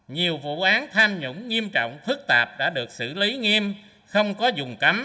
nhiều vụ án tham nhũng nghiêm trọng phức tạp đã được xử lý nghiêm không có dùng cấm